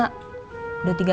udah tiga tahun lagi